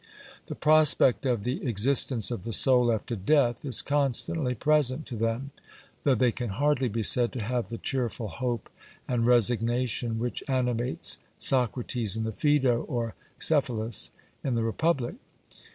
The prospect of the existence of the soul after death is constantly present to them; though they can hardly be said to have the cheerful hope and resignation which animates Socrates in the Phaedo or Cephalus in the Republic.